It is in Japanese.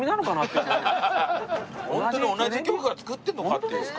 ホントに同じ局が作ってるのかっていう。